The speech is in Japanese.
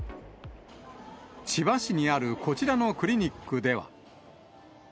千葉市にあるこちらのクリニックでは。